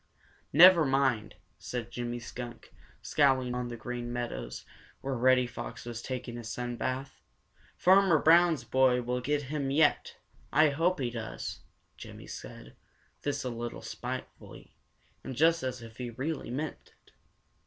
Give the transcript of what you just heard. "Never mind," said Jimmy Skunk, scowling down on the Green Meadows where Reddy Fox was taking a sun bath, "Farmer Brown's boy will get him yet! I hope he does!" Jimmy said this a little spitefully and just as if he really meant it.